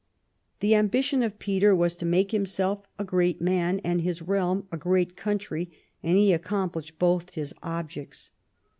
The ambition of Peter was to make him self a great man and his realm a great country, and he accomplished both his objects.